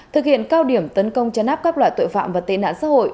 thực hiện cao điểm tấn công chấn áp các loại tội phạm và tệ nạn xã hội